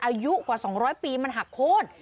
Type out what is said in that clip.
อายุกว่า๒๐๐ปีมันหักโค้น